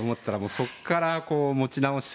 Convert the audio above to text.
そこから持ち直して。